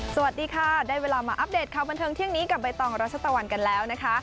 สวัสดีค่ะได้เวลามาอัปเดตข่าวบันเทิงเที่ยงนี้กับใบตองรัชตะวันกันแล้วนะคะ